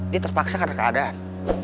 dia terpaksa karena keadaan